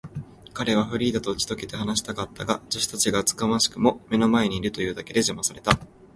彼はフリーダとうちとけて話したかったが、助手たちが厚かましくも目の前にいるというだけで、じゃまされた。